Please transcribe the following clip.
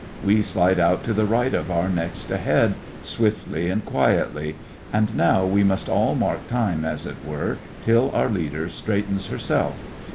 We slide out to the right of our next ahead, swiftly and quietly. And now we must all mark time, as it were, till our leader straightens herself.